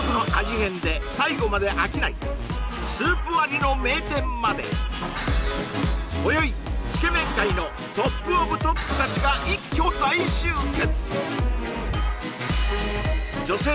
変で最後まで飽きないスープ割りの名店まで今宵つけ麺界のトップオブトップ達が一挙大集結